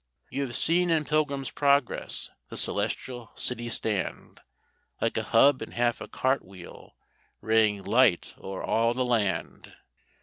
You have seen in Pilgrim's Progress the Celestial City stand Like a hub in half a cart wheel raying light o'er all the land.